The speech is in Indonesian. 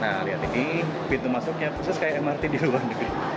nah lihat ini pintu masuknya khusus kayak mrt di luar negeri